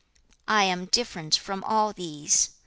5. 'I am different from all these.